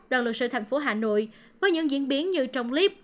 đoàn luật sư thành phố hà nội với những diễn biến như trong clip